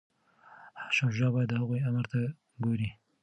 شاه شجاع باید د هغوی امر ته ګوري.